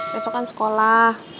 besok kan sekolah